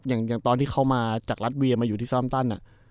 อย่างตอนที่เขามาจากรัสเวียมาอยู่ที่ซ่อมตัน